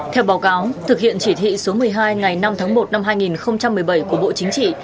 theo báo cáo thực hiện chỉ thị số một mươi hai ngày năm tháng một năm hai nghìn một mươi bảy của bộ chính trị